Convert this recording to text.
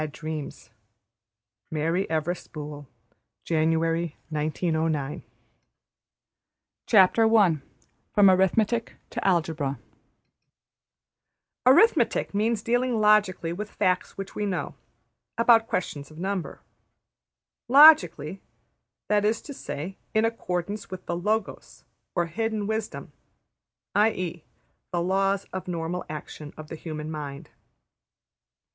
FROM BONDAGE TO FREEDOM %% APPENDIX \mainmatter \chapter{From Arithmetic To Algebra} Arithmetic means dealing logically with facts which we know (about questions of number). ``Logically''; that is to say, in accordance with the ``Logos'' or hidden wisdom, \textit{i.e.} the laws of normal action of the human mind.